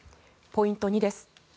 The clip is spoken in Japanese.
ポイント２です。